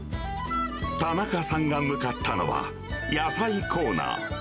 田中さんが向かったのは、野菜コーナー。